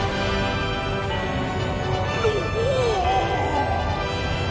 おお！